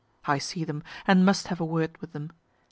(I see them, and must have a word with them.